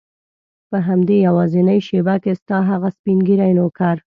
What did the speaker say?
په همدې یوازینۍ شېبه کې ستا هغه سپین ږیری نوکر.